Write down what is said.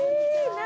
何？